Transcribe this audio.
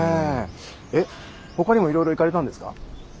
えっほかにもいろいろ行かれたんですか？